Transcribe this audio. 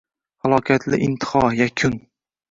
Halokatli intiho, yakun!..